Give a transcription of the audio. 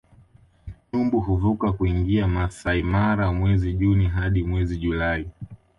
Nyumbu huvuka kuingia Maasai Mara mwezi Juni hadi mwezi Julai